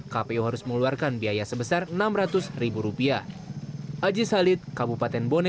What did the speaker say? kpu harus mengeluarkan biaya sebesar rp enam ratus